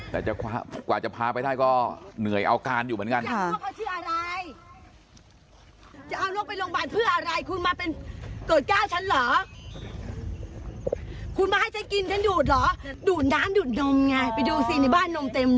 แต่กว่าจะพาไปได้ก็เหนื่อยเอาการอยู่เหมือนกัน